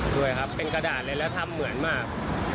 ด้วยครับเป็นกระดาษเลยแล้วทำเหมือนมาก